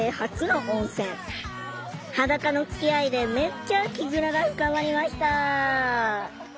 裸のつきあいでめっちゃ絆が深まりました！